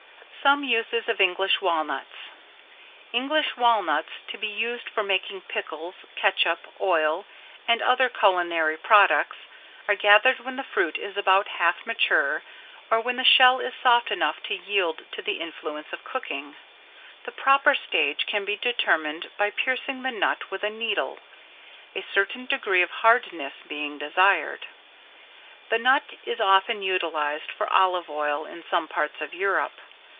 [Sidenote: =Some uses of English Walnuts=] English Walnuts to be used for making pickles, catsup, oil and other culinary products, are gathered when the fruit is about half mature or when the shell is soft enough to yield to the influence of cooking. The proper stage can be determined by piercing the nut with a needle, a certain degree of hardness being desired. The nut is often utilized for olive oil in some parts of Europe.